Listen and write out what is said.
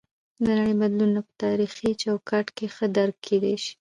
د نړۍ بدلونونه په تاریخي چوکاټ کې ښه درک کیدی شي.